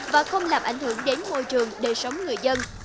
và không làm ảnh hưởng đến môi trường đời sống người dân